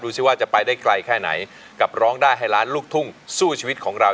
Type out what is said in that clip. ซิว่าจะไปได้ไกลแค่ไหนกับร้องได้ให้ล้านลูกทุ่งสู้ชีวิตของเรา